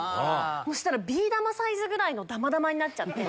そしたらビー玉サイズぐらいのダマダマになっちゃって。